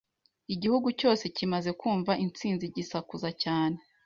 Igihugu cyose kimaze kumva intsinzi, gisakuza cyane.